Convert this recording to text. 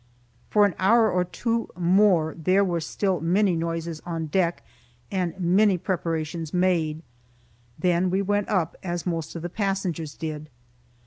For an hour or two more there were still many noises on deck, and many preparations made. Then we went up, as most of the passengers did.